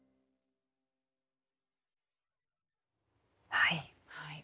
はい。